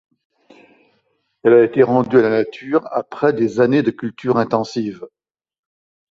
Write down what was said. Elle a été rendue à la nature après des années de culture intensive.